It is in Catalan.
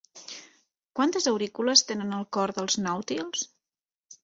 Quantes aurícules tenen el cor dels nàutils?